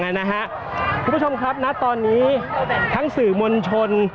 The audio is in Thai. คุณผู้ชมครับณตอนนี้ทั้งสื่อมวลชน